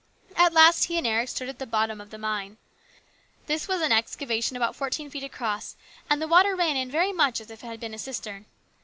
At last he and Eric stood at the bottom of the mine. This was an excavation about fourteen feet across, and the water ran in very much as if it had been a cistern.